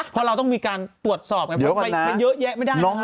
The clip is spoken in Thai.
พอเราต้องมีการปรวจสอบเหมือนกว่าไม่เยอะแยะไม่ด้านนะคะเดี๋ยวก่อนนะ